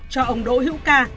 cho ông đội hữu ca